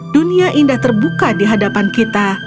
dunia indah terbuka di hadapan kita